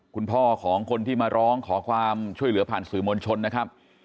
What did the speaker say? คุณพ่อของคนที่มาร้องขอความช่วยเหลือผ่านสื่อมวลชนนะครับ